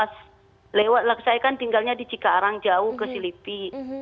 saya kan tinggalnya di cikarang jauh ke selipi